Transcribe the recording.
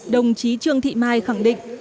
đồng chí trương thị mai khẳng định